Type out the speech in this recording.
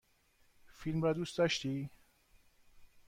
فیلم را دوست داشتی؟